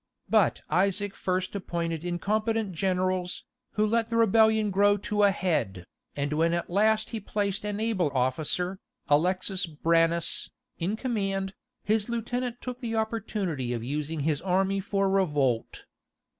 But Isaac first appointed incompetent generals, who let the rebellion grow to a head, and when at last he placed an able officer, Alexis Branas, in command, his lieutenant took the opportunity of using his army for revolt.